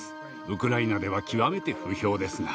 ウクライナでは極めて不評ですが。